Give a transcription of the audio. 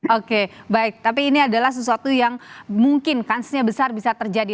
oke baik tapi ini adalah sesuatu yang mungkin kansnya besar bisa terjadi